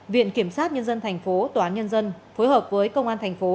viện kiểm sát nhân dân thành phố tòa án nhân dân phối hợp với công an thành phố